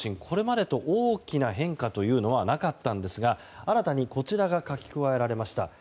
これまでと大きな変化はなかったんですが新たにこちらが書き加えられました。